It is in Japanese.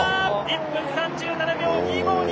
１分３７秒２５２！